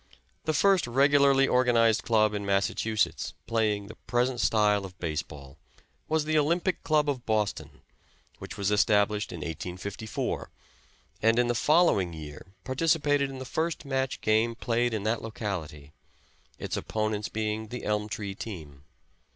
The first regularly organized club in Massachusetts playing the present style of base ball was the Olympic Club of Boston, which was established in 1854, and in the following year participated in the first match game played in that locality, its opponents being the Elm Tree team.